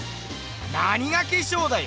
何が化粧だよ！